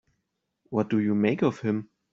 What do you make of him?